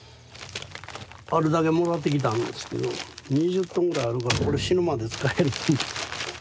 あるだけもらってきたんですけど２０トンぐらいあるからこれ死ぬまで使える。